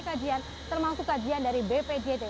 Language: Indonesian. kajian termasuk kajian dari bpjt